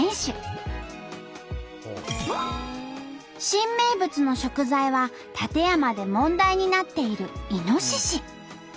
新名物の食材は館山で問題になっているイノシシ。